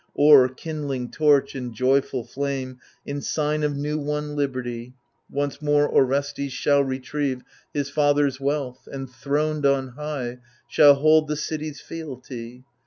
Or — ^kindling torch and joyful flame In sign of new won liberty — Once more Orestes shall retrieve His father's wealth, and, throned on high, Shall hold the city's fealty.